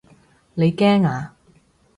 你驚啊？